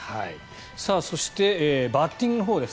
そしてバッティングフォームです。